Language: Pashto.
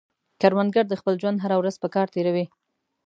کروندګر د خپل ژوند هره ورځ په کار تېروي